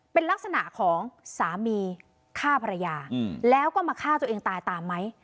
เป็นลักษณะของสามีฆ่าภรรยาแล้วก็มาฆ่าตัวเองตายตามไหม